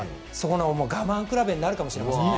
我慢比べになるかもしれませんね。